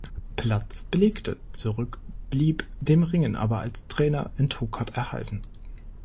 Platz belegte, zurück, blieb dem Ringen aber als Trainer in Tokat erhalten.